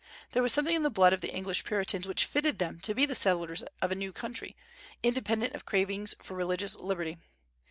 There was something in the blood of the English Puritans which fitted them to be the settlers of a new country, independent of cravings for religious liberty.